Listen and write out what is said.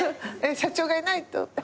社長がいないと。